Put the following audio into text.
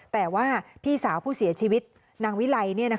แต่ว่าพี่สาวผู้เสียชีวิตนางวิไล